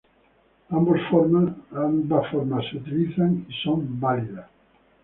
Ambas formas se utilizan y son válidas.